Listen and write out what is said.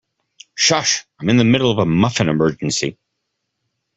Shush! I'm in the middle of a muffin emergency.